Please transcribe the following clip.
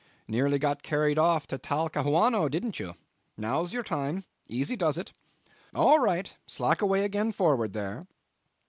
Nearly got carried off to Talcahuano, didn't you? Now's your time; easy does it. ... All right. Slack away again forward there."